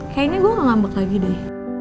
kayaknya gue gak ngambek lagi deh